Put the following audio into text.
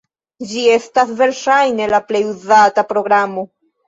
Ĝi estas verŝajne la plej uzata programo.